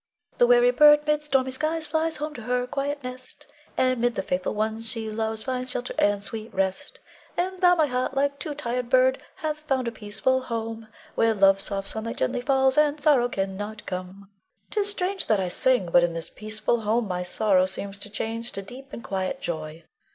_] The weary bird mid stormy skies, Flies home to her quiet nest, And 'mid the faithful ones she loves, Finds shelter and sweet rest. And thou, my heart, like to tired bird, Hath found a peaceful home, Where love's soft sunlight gently falls, And sorrow cannot come. Leonore. 'Tis strange that I can sing, but in this peaceful home my sorrow seems to change to deep and quiet joy.